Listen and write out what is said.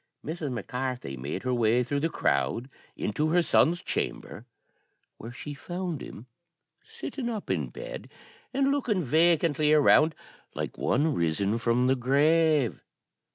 Mrs. Mac Carthy made her way through the crowd into her son's chamber, where she found him sitting up in the bed, and looking vacantly around, like one risen from the grave.